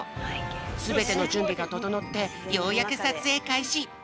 すべてのじゅんびがととのってようやくさつえいかいし。